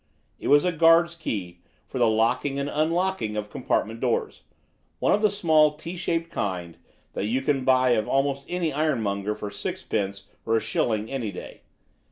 It was a guard's key for the locking and unlocking of compartment doors, one of the small T shaped kind that you can buy of almost any iron monger for sixpence or a shilling any day.